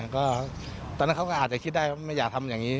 ก็ตอนนั้นเขาก็อาจจะคิดได้ว่าไม่อยากทำอย่างนี้